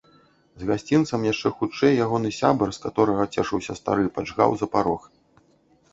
З гасцінцам яшчэ хутчэй ягоны сябар, з каторага цешыўся стары, паджгаў за парог.